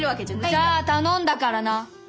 じゃあ頼んだからな。